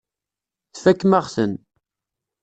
Tfakem-aɣ-ten.